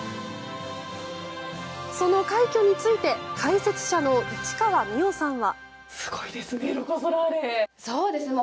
その快挙について解説者の市川美余さんは。